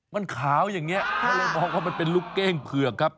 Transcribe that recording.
มันขาวอย่างนี้ก็เลยมองว่ามันเป็นลูกเก้งเผือกครับ